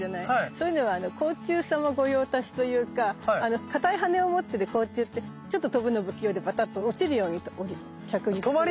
そういうのは甲虫様御用達というかかたい羽を持ってる甲虫ってちょっと飛ぶの不器用でバタッと落ちるように降りる着陸するから。